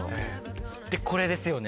これですよね。